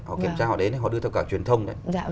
họ kiểm tra họ đến ấy họ đưa theo cả truyền thông ấy